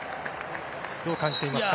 どう感じていますか？